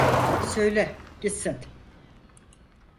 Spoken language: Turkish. Söyle gitsin.